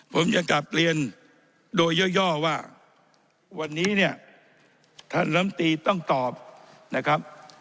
ผมยังกลับเรียนโดยย่อว่าวันนี้เนี่ยท่านลำตีต้องตอบนะครับ